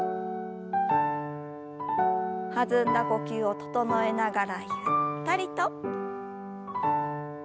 弾んだ呼吸を整えながらゆったりと。